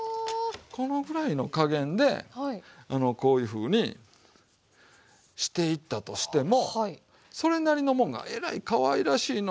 このくらいの加減でこういうふうにしていったとしてもそれなりのもんがえらいかわいらしいの。